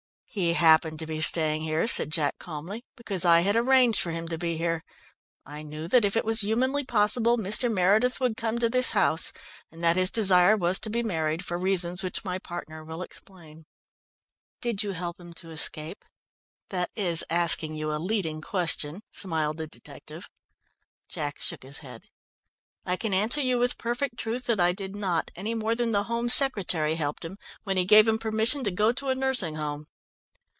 "He happened to be staying here," said Jack calmly, "because I had arranged for him to be here. I knew that if it was humanly possible, Mr. Meredith would come to this house, and that his desire was to be married, for reasons which my partner will explain." "Did you help him to escape? That is asking you a leading question," smiled the detective. Jack shook his head. "I can answer you with perfect truth that I did not, any more than the Home Secretary helped him when he gave him permission to go to a nursing home."